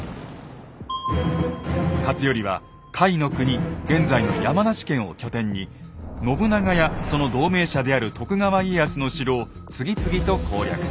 勝頼は甲斐国現在の山梨県を拠点に信長やその同盟者である徳川家康の城を次々と攻略。